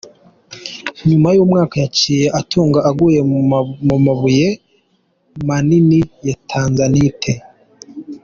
Inyuma y'umwaka yaciye atunga, aguye ku mabuye manini ya "tanzanite".